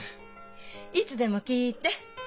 いつでも聞いて。